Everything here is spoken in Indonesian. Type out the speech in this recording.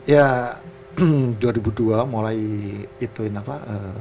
ya dua ribu dua mulai ituin apa